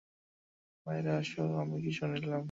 বাহিরে আসো, আমি কি শুনলাম?